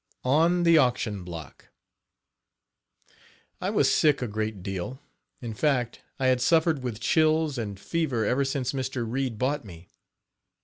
ON THE AUCTION BLOCK I was sick a great deal in fact, I had suffered with chills and fever ever since Mr. Reid bought me.